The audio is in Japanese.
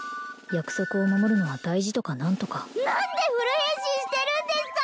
約束を守るのは大事とか何とか何でフル変身してるんですか？